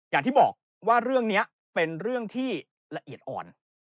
อย่างที่บอกว่าเรื่องนี้เป็นเรื่องที่ละเอียดอ่อน